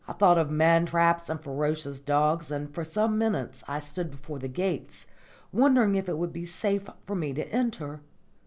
I thought of mantraps and ferocious dogs, and for some minutes I stood before the gates, wondering if it would be safe for me to enter.